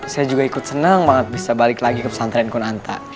saya juga ikut senang banget bisa balik lagi ke pesantren kunanta